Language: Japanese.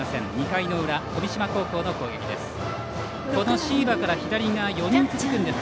２回の裏、富島高校の攻撃です。